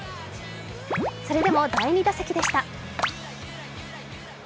それでも、第２打席でした。